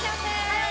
はい！